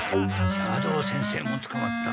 斜堂先生もつかまった。